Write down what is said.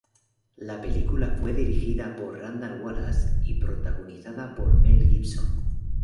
La película fue dirigida por Randall Wallace y protagonizada por Mel Gibson.